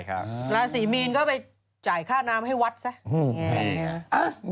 ราศีมีนก็ไปจ่ายค่าน้ำให้วัดซะไง